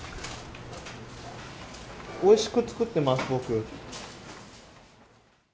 おいしく作っています僕。